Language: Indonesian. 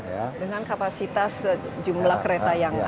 dengan kapasitas jumlah kereta yang